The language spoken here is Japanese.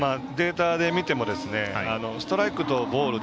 データで見てもストライクとボールで